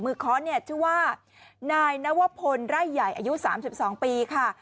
มือค้อนชื่อว่านายนวพลไร่ใหญ่อายุ๓๒ปีค่ะ